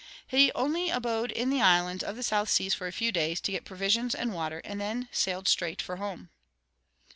He only abode in the islands of the South Seas for a few days, to get provisions and water, and then sailed straight for home."